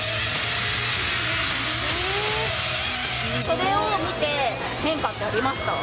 それを見て、変化ってありました？